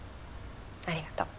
ありがとう。